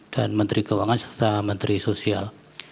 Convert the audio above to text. dan menteri keuangan serta menteri sosial